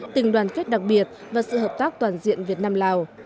tình đoàn kết đặc biệt và sự hợp tác toàn diện việt nam lào